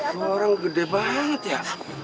semua orang gede banget ya